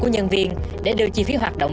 của nhân viên để đưa chi phí hoạt động